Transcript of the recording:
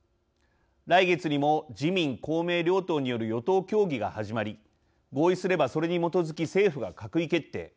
来月にも自民・公明両党による与党協議が始まり合意すれば、それに基づき政府が閣議決定。